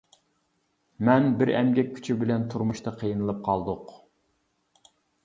مەن بىر ئەمگەك كۈچى بىلەن تۇرمۇشتا قىينىلىپ قالدۇق.